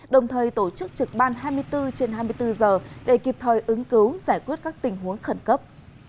đồng thời tổ chức trực ban hai mươi bốn trên hai mươi bốn giờ để kịp thời ứng cứu giải quyết các tình huống khẩn cấp